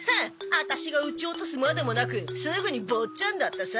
アタシが打ち落とすまでもなくすぐにボッチャンだったさ。